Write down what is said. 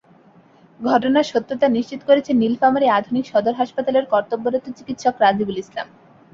ঘটনার সত্যতা নিশ্চিত করেছেন নীলফামারী আধুনিক সদর হাসপাতালের কর্তব্যরত চিকিৎসক রাজিবুল ইসলাম।